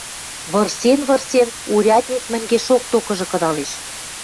Вырсен-вырсен, урядник мӹнгешок токыжы кыдалеш.